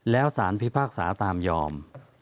แล้วสารพิพากษาตามยอม